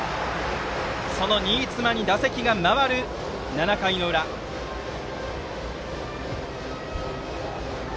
その新妻に打席が回る７回の裏です。